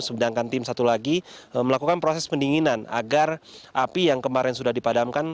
sedangkan tim satu lagi melakukan proses pendinginan agar api yang kemarin sudah dipadamkan